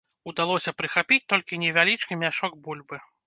Удалося прыхапіць толькі невялічкі мяшок бульбы.